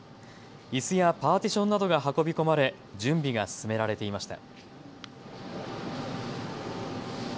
いすやパーティションなどが運び込まれ準備が進められていました。